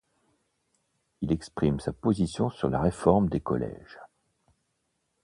Il exprime sa position sur la réforme des collèges.